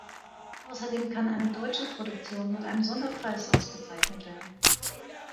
Außerdem kann eine deutsche Produktion mit einem Sonderpreis ausgezeichnet werden.